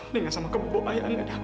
nih nggak sama kebuk ayah